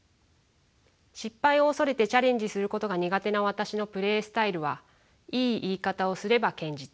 失敗を恐れてチャレンジすることが苦手な私のプレースタイルはいい言い方をすれば堅実。